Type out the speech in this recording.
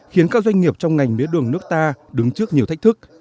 khiến các doanh nghiệp trong ngành mía đường nước ta đứng trước nhiều thách thức